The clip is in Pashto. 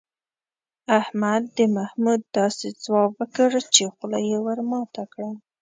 احمد د محمود داسې ځواب وکړ، چې خوله یې ور ماته کړه.